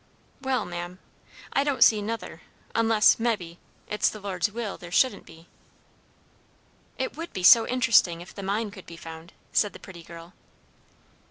"Well, ma'am, I don't see nuther, unless, mebbe, it's the Lord's will there shouldn't be." "It would be so interesting if the mine could be found!" said the pretty girl.